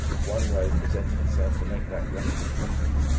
One way presented itself to make that reckoning even.